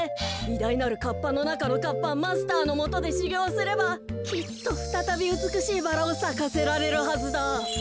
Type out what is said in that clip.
いだいなるカッパのなかのカッパマスターのもとでしゅぎょうすればきっとふたたびうつくしいバラをさかせられるはずだ。